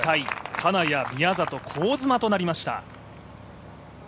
金谷、宮里、香妻となりました。